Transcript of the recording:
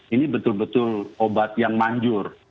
ini betul betul obat yang manjur